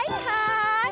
aduh aduh aduh